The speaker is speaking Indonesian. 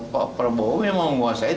pak prabowo memang menguasai